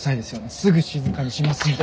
すぐ静かにしますんで。